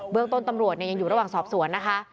เรื่องต้นตำรวจยังอยู่ระหว่างสอบสวนนะคะ